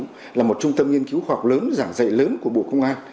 là một trung tâm nghiên cứu khoa học lớn giảng dạy lớn của bộ công an